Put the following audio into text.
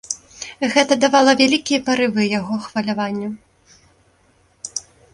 Гэта давала вялікія парывы яго хваляванню.